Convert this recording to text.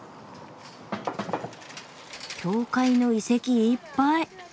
教会の遺跡いっぱい！